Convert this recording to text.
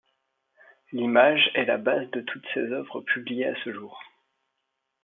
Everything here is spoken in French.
L'image est la base de toutes ses œuvres publiées à ce jour.